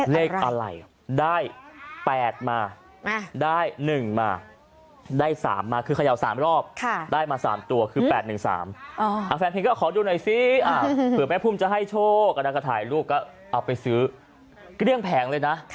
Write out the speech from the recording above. แล้วก็นักกระถ่ายลูกก็เอาไปซื้อเกลี้ยงแผงเลยนะ